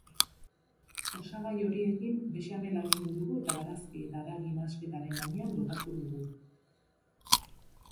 Osagai horiekin bexamela egingo dugu eta barazki eta haragi nahasketaren gainean botako dugu.